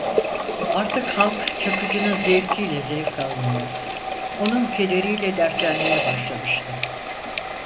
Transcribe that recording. Artık halk Çakıcı’nın zevkiyle zevk almaya, onun kederiyle dertlenmeye başlamıştı.